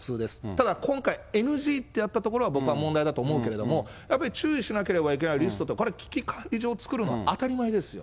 ただ、今回、ＮＧってやったことは僕は問題だと思うけれども、やっぱり注意しなければいけないリストって、これ、聞き管理上、作るのは当たり前ですよ。